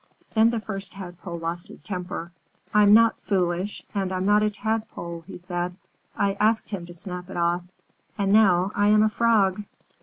Then the First Tadpole lost his temper. "I'm not foolish, and I'm not a Tadpole," he said. "I asked him to snap it off, and now I am a Frog!"